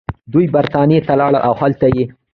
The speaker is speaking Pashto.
دوي برطانيه ته لاړل او هلتۀ ئې